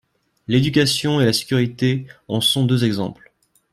L’éducation et la sécurité en sont deux exemples.